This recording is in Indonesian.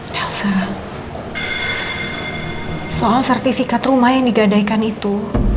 pasal soal sertifikat rumah yang digadaikan itu